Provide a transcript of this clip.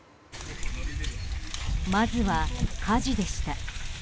まずは火事でした。